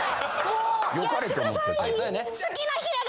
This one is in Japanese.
もうやらせてください。